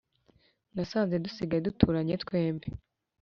Nasanze dusigaye duturanye twembi